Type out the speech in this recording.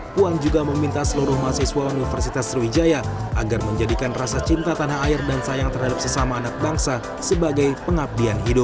puan juga meminta seluruh mahasiswa universitas sriwijaya agar menjadikan rasa cinta tanah air dan sayang terhadap sesama anak bangsa sebagai pengabdian hidup